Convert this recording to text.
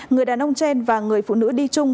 người đàn ông trên và người phụ nữ đi chung